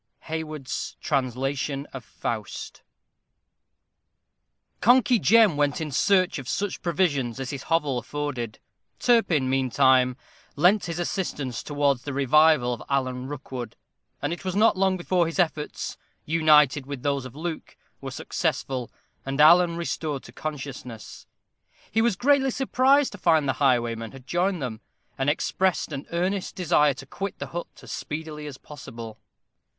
HAYWARD'S Translation of Faust. Conkey Jem went in search of such provisions as his hovel afforded. Turpin, meantime, lent his assistance towards the revival of Alan Rookwood; and it was not long before his efforts, united with those of Luke, were successful, and Alan restored to consciousness. He was greatly surprised to find the highwayman had joined them, and expressed an earnest desire to quit the hut as speedily as possible.